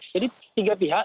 jadi tiga pihak